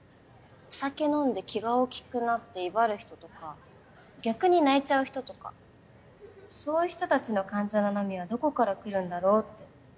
お酒飲んで気が大きくなって威張る人とか逆に泣いちゃう人とかそういう人たちの感情の波はどこから来るんだろうって。